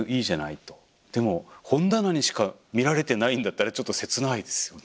でも本棚にしか見られてないんだったらちょっと切ないですよね。